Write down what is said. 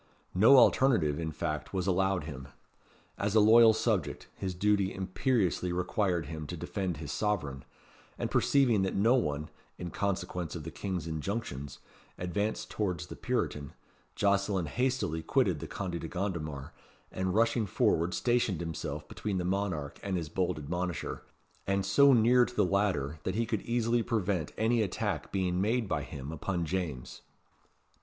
No alternative, in fact, was allowed him. As a loyal subject, his duty imperiously required him to defend his sovereign; and perceiving that no one (in consequence of the King's injunctions) advanced towards the Puritan, Jocelyn hastily quitted the Conde de Gondomar, and rushing forward stationed himself between the monarch and his bold admonisher; and so near to the latter, that he could easily prevent any attack being made by him upon James.